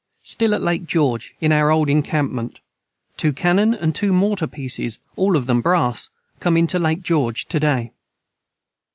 Stil at Lake George in our old encampment 2 Cannon and 2 morter peaces all of them Brass come into Lake George to day.